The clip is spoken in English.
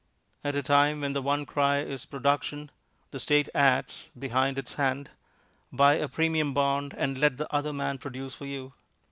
At a time when the one cry is "Production!" the State adds (behind its hand), "Buy a Premium Bond, and let the other man produce for you."